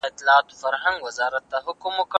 نړۍ اوس په یوه لوی کلي بدله شوې ده.